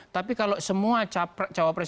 tapi kalau semua cawapres